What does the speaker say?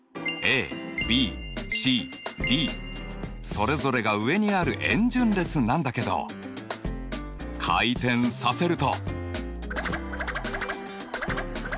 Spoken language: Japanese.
それぞれが上にある円順列なんだけど回転させると。